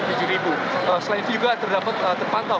selain itu juga terdapat terpantau